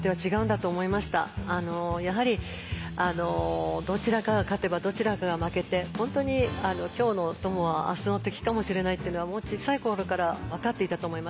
やはりどちらかが勝てばどちらかが負けて本当に今日の友は明日の敵かもしれないっていうのはもう小さい頃から分かっていたと思いますね。